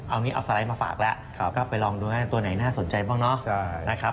เอาสไลด์มาฝากแล้วก็ไปลองดูหน้าตัวไหนน่าสนใจบ้างนะ